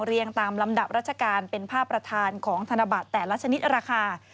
เรียงตามลำดับราชการเป็นภาพประธานของธนบัตรแต่ละชนิดราคา